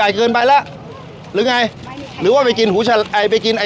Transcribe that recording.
ใหญ่เกินไปแหละหรือไงหรือว่าไปกินหูชายไปกิน